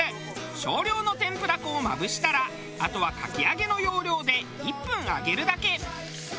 少量の天ぷら粉をまぶしたらあとはかき揚げの要領で１分揚げるだけ。